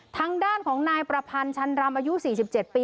ทางด้านของนายประพันธ์ชันรำอายุ๔๗ปี